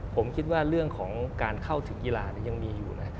ผมคิดว่าเรื่องของการเข้าถึงกีฬายังมีอยู่นะ